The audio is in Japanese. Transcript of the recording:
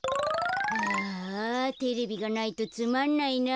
ああテレビがないとつまんないな。